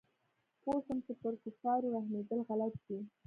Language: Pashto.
پوه سوم چې پر کفارو رحمېدل غلط دي.